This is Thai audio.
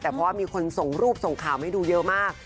แต่เพราะว่ามีคนส่งรูปส่งข่าวให้ดูเยอะมาก